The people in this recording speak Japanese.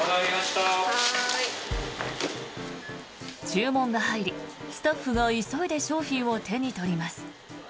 注文が入り、スタッフが急いで商品を手に取ります。